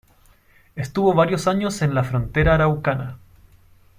Estuvo varios años en la frontera araucana.